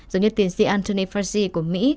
giống như tiến sĩ anthony fauci của mỹ